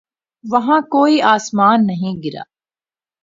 وہاں کوئی آسمان نہیں گرا۔